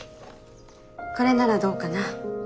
これならどうかな？